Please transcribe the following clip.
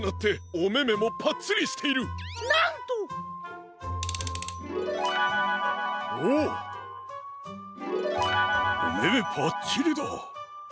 おめめぱっちりだ！